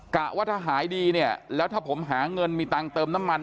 กะว่าถ้าหายดีเนี่ยแล้วถ้าผมหาเงินมีตังค์เติมน้ำมัน